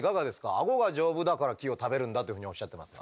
アゴが丈夫だから木を食べるんだっていうふうにおっしゃってますが。